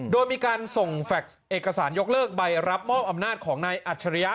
โดยมีการส่งแฟคเอกสารยกเลิกใบรับมอบอำนาจของนายอัจฉริยะ